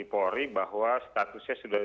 polri bahwa statusnya sudah